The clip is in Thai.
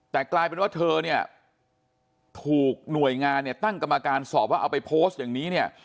แต่กลายเป็นว่าเธอเนี่ยถูกหน่วยงานเนี่ยตั้งกรรมการสอบว่าเอาไปโพสต์อย่างนี้เนี่ย